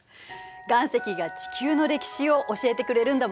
岩石が地球の歴史を教えてくれるんだもんね。